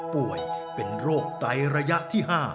ป่วยเป็นโรคไตระยะที่๕